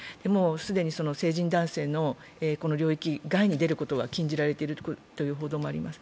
既に成人男性の領域外に出ることは禁じられているという報道もあります。